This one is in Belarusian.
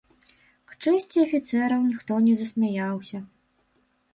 К чэсці афіцэраў, ніхто не засмяяўся.